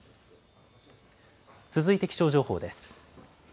続いて、気象情報です。